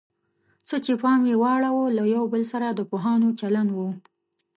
څه چې پام یې واړاوه له یو بل سره د پوهانو چلند و.